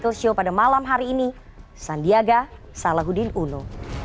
talk show pada malam hari ini sandiaga salahuddin uno